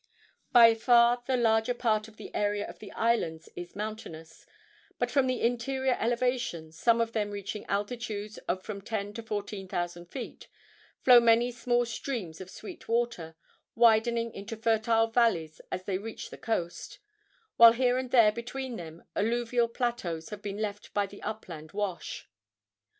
By far the larger part of the area of the islands is mountainous; but from the interior elevations, some of them reaching altitudes of from ten to fourteen thousand feet, flow many small streams of sweet water, widening into fertile valleys as they reach the coast, while here and there between them alluvial plateaus have been left by the upland wash.